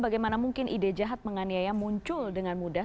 bagaimana mungkin ide jahat menganyai yang muncul dengan mudah